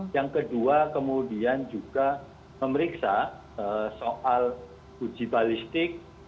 yang kedua kemudian juga memeriksa soal uji balistik